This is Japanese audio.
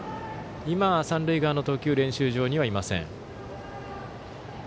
今、三塁側の投球練習場にはいません。